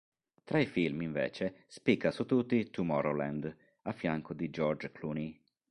Tra i film invece spicca su tutti "Tomorrowland" a fianco di George Clooney.